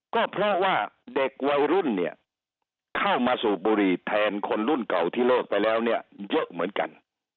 ก็เพราะว่าเด็กวัยรุ่นเนี่ยเข้ามาสูบบุหรี่แทนคนรุ่นเก่าที่เลิกไปแล้วเนี่ยเยอะเหมือนกัน